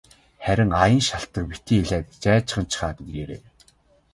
Харин аян шалтаг битгий нэмээд жайжганачхаад ирээрэй.